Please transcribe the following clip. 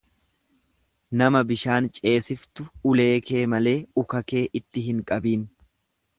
Nama bishaan ceesiftu uleekee malee ukakee itti hin qabiin.